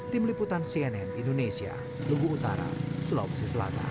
tim liputan cnn indonesia lugu utara sulawesi selatan